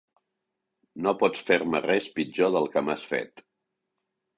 No pots fer-me res pitjor del que m'has fet.